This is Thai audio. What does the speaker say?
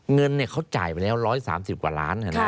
เงินเขาจ่ายไปแล้ว๑๓๐กว่าล้าน